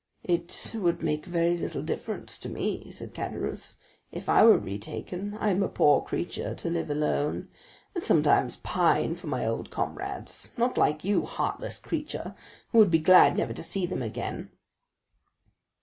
"It would make very little difference to me," said Caderousse, "if I were retaken, I am a poor creature to live alone, and sometimes pine for my old comrades; not like you, heartless creature, who would be glad never to see them again."